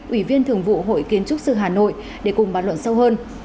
ủy viên thường vụ hội kiến trúc sư hà nội để cùng bàn luận sâu hơn